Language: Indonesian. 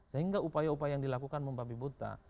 sehingga upaya upaya yang dilakukan mempabi buta